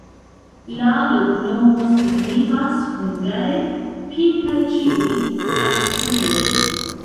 La loknomo signifas hungare: Pinka-Ĉiuj Sanktuloj.